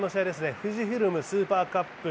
富士フイルムスーパーカップ。